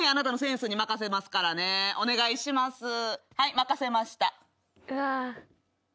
任せました。